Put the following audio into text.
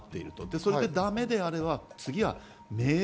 それでだめであれば、次は命令。